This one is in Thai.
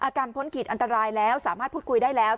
พ้นขีดอันตรายแล้วสามารถพูดคุยได้แล้ว